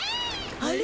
あれ？